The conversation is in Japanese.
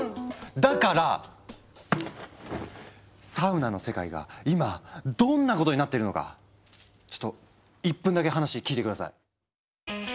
だからサウナの世界が今どんなことになってるのかちょっと１分だけ話聞いて下さい。